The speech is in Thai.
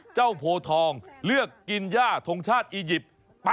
เจ้าโพธองเลือกกินย่าทรงชาติอีจิปต์